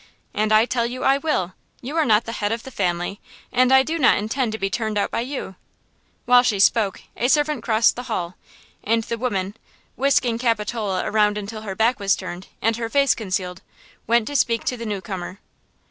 "And I tell you I will! You are not the head of the family, and I do not intend to be turned out by you!" While she spoke a servant crossed the hall and the woman, whisking Capitola around until her back was turned and her face concealed, went to speak to the newcomer.